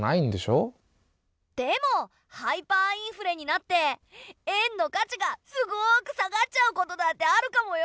でもハイパーインフレになって円の価値がすごく下がっちゃうことだってあるかもよ。